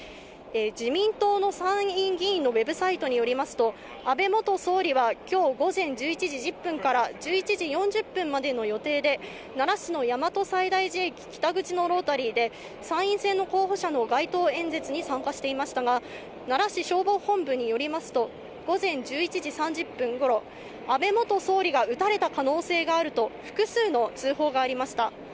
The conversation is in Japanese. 自民党の参院議員のＷＥＢサイトによりますと安倍元総理は今日午前１１時１０分から１１時４０分までの予定で、奈良市の大和西大寺駅北口のロータリーで、参院選の候補者の街頭演説に参加していましたが、奈良市消防本部によりますと、午前１１時３０分頃、安倍元総理が撃たれた可能性があると複数の通報がありました。